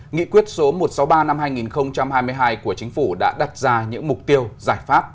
nghị quyết số một trăm sáu mươi ba năm hai nghìn hai mươi hai của chính phủ đã đặt ra những mục tiêu giải pháp